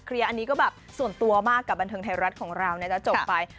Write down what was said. อันนี้ก็แบบส่วนตัวมากกับบันเทิงไทยรัฐของเรานะจะจบไป